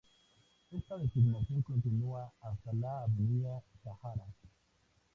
Esta designación continua hasta la avenida Sahara.